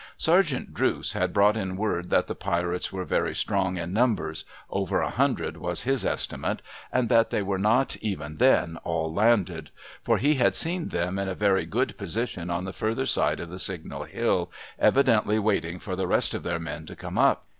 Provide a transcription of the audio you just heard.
Sergeant Drooce had brought in word that the pirates were very strong in numbers — over a hundred was his estimate — and that they were not, even then, all landed ; for, he had seen them in a very good position on the further side of the Signal Hill, evidently waiting for the rest of their men to come up.